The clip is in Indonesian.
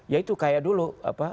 ya itu kayak dulu